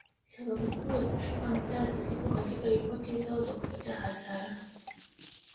Sababu kuu ya kushuka mtaji zipo katika ripoti zao za kupata hasara